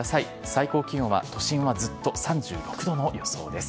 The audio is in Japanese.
最高気温は都心はずっと３６度の予想です。